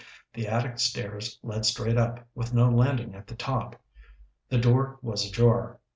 The attic stairs led straight up, with no landing at the top. The door was ajar.